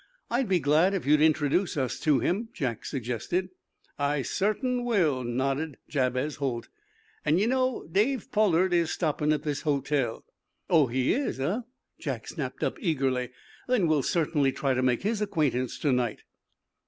"I'd be glad if you'd introduce us to him," Jack suggested. "I sartain will," nodded Jabez Holt. "An', ye know, Dave Pollard is stoppin' at this hotel." "Oh, he is, eh?" Jack snapped up, eagerly. "Then we'll certainly try to make his acquaintance to night."